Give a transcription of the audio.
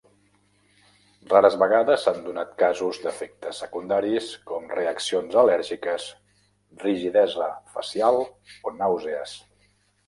Rares vegades s'han donat casos d'efectes secundaris com reaccions al·lèrgiques, rigidesa facial o nàusees.